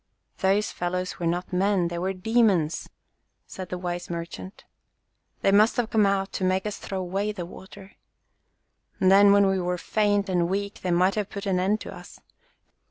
"Those fellows were not men, they were demons !" said the wise merchant. "They must have come out to make us throw away the water. Then when we were faint and weak they might have put an end to us.